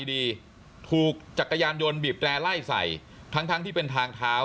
ดีถูกจักรยานยนต์บีบแร่ไล่ใส่ทั้งทั้งที่เป็นทางเท้า